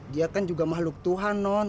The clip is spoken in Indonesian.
dia kan juga makhluk tuhan